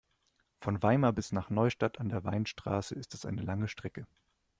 Von Weimar bis nach Neustadt an der Weinstraße ist es eine lange Strecke